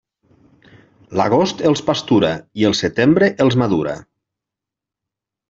L'agost els pastura i el setembre els madura.